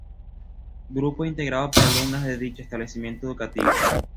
Grupo integrado por alumnas de dicho establecimiento educativo.